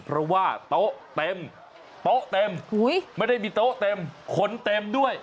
เพราะว่าโต๊ะเต็มโต๊ะเต็มไม่ได้มีโต๊ะเต็มขนเต็มด้วย